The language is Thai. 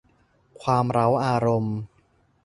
ความเร้าอารมณ์